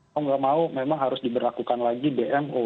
kalau tidak mau memang harus diberlakukan lagi dmo